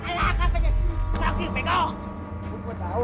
lihatlah dia sedang mengukur nama kuda